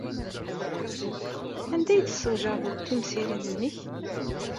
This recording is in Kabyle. Anda ay d-tessewjadeḍ timsirin-nnek?